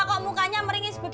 kok mukanya meringis begitu